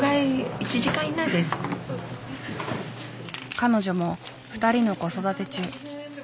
彼女も２人の子育て中。